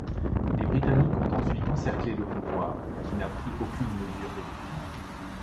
Les Britanniques ont ensuite encerclés le convoi, qui n'a pris aucune mesure d'évitement.